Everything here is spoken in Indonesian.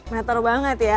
meter banget ya